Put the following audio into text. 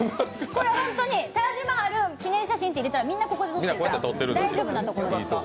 これは本当に「タージマハル記念写真」って入れたらみんなここで撮ってる、大丈夫な所です。